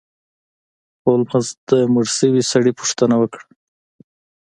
هولمز د مړ شوي سړي پوښتنه وکړه.